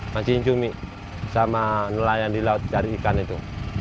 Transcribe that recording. mancing cumi sama nelayan di laut cari ikan itu